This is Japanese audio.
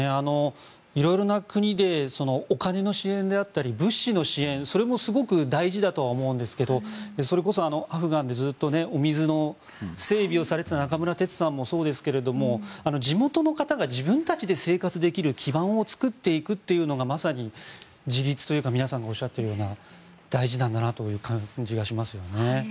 色々な国でお金の支援であったり物資の支援、それもすごく大事だとは思うんですがそれこそアフガンでずっとお水の整備をされていた中村哲さんもそうですが地元の方が自分たちで生活できる基盤を作っていくのがまさに自立というか皆さんがおっしゃっているような大事なんだなという感じがしますね。